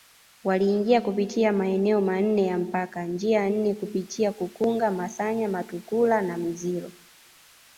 Waliingia kupitia maeneo manne ya mpaka njia nne kupitia Kukunga Masanya Mutukula na Minziro